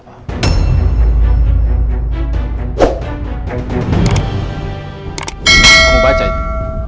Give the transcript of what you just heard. kamu baca itu